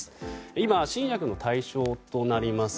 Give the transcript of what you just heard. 今、新薬の対象となります